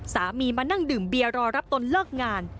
สามีมานั่งดื่มเบียรอรับตอนเลิกงาน